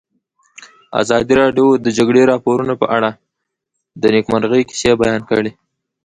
ازادي راډیو د د جګړې راپورونه په اړه د نېکمرغۍ کیسې بیان کړې.